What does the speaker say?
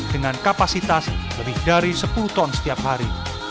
dengan kapasitas lebih dari sepuluh ton setiap hari